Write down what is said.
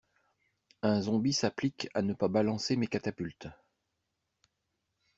Un zombie s'applique à ne pas balancer mes catapultes.